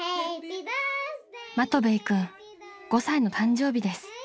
［マトヴェイ君５歳の誕生日です］